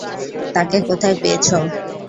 তাকে কোথায় পেয়েছ?